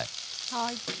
はい。